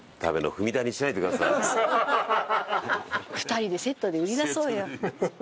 ２人でセットで売り出そうよ。